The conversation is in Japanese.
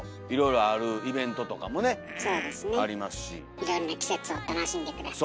いろんな季節を楽しんで下さい。